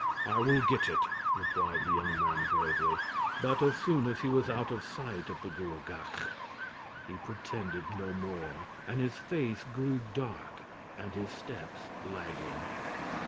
'I will get it,' replied the young man bravely; but as soon as he was out of sight of the Gruagach he pretended no more, and his face grew dark and his steps lagging.